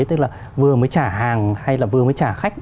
tức là vừa mới trả hàng hay là vừa mới trả khách